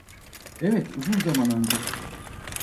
Evet, uzun zaman önce.